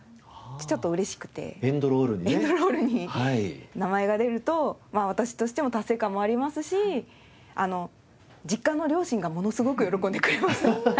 エンドロールに名前が出ると私としても達成感もありますし実家の両親がものすごく喜んでくれました。